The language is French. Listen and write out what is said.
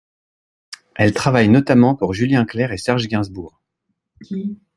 Elle travaille notamment pour Julien Clerc et Serge Gainsbourg.